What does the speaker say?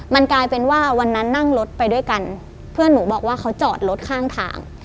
มันกลายเป็นว่าวันนั้นนั่งรถไปด้วยกันเพื่อนหนูบอกว่าเขาจอดรถข้างทาง